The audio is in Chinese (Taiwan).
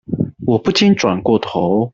我不禁轉過頭